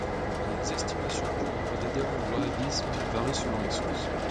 Les estimations du nombre d'adhérents au wahhabisme varient selon les sources.